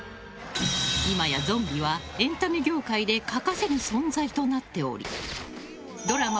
今やゾンビはエンタメ業界で欠かせぬ存在となっておりドラマ